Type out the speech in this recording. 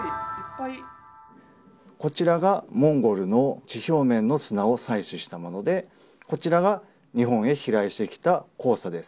こちらがモンゴルの地表面の砂を採取したもので、こちらが日本へ飛来してきた黄砂です。